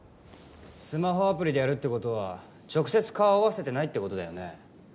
スマホアプリでやるって事は直接顔合わせてないって事だよね。